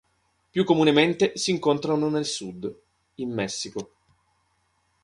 Più comunemente si incontrano nel sud, in Messico.